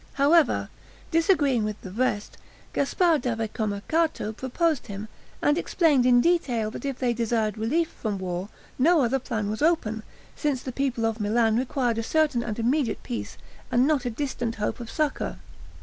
However, disagreeing with the rest, Gasparre da Vicomercato proposed him, and explained in detail that if they desired relief from war, no other plan was open, since the people of Milan required a certain and immediate peace, and not a distant hope of succor.